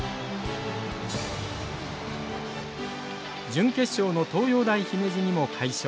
準決勝の東洋大姫路にも快勝。